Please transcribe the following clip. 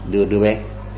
đưa đứa bé